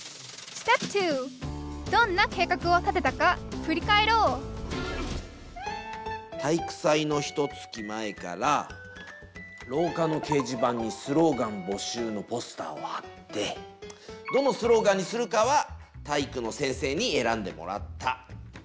どんな計画を立てたか振り返ろう体育祭のひとつき前からろうかの掲示板にスローガン募集のポスターを貼ってどのスローガンにするかは体育の先生に選んでもらった。